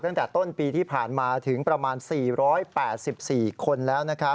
ตั้งแต่ต้นปีที่ผ่านมาถึงประมาณ๔๘๔คนแล้ว